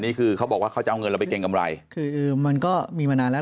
นี้คือเขาบอกว่าเขาจะเอาเงินไปเก็งกำไรมันก็มีมานานแล้ว